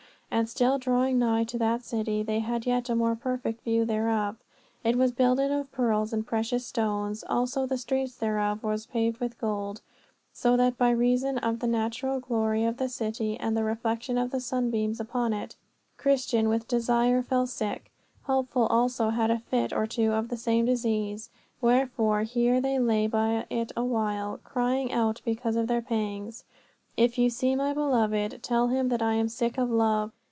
And still drawing nigh to that city they had yet a more perfect view thereof. It was builded of pearls and precious stones, also the street thereof was paved with gold, so that by reason of the natural glory of the city and the reflection of the sunbeams upon it, Christian with desire fell sick. Hopeful also had a fit or two of the same disease. Wherefore here they lay by it awhile, crying out because of their pangs, If you see my beloved, tell him that I am sick of love.